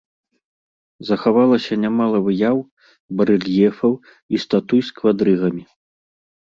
Захавалася нямала выяў, барэльефаў і статуй з квадрыгамі.